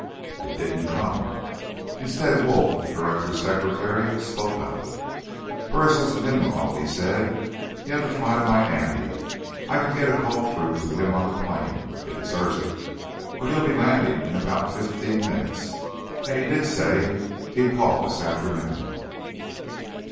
It didn't come. Instead, Wolf, the director's secretary, spoke up. "Burris isn't in, Malone," he said. "He had to fly to Miami. I can get a call through to him on the plane, if it's urgent, but he'll be landing in about fifteen minutes. And he did say he'd call this afternoon."